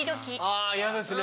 あ嫌ですね。